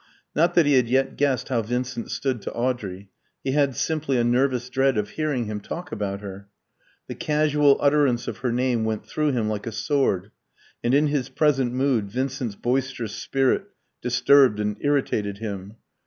Not that he had yet guessed how Vincent stood to Audrey; he had simply a nervous dread of hearing him talk about her. The casual utterance of her name went through him like a sword, and in his present mood Vincent's boisterous spirit disturbed and irritated him.